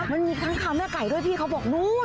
มันมีค้างคาวแม่ไก่ด้วยที่เขาบอกนู้น